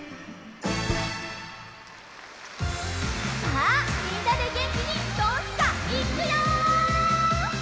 さあみんなでげんきにドンスカいくよ！